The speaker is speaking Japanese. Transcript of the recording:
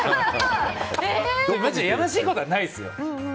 やましいことはないですよ。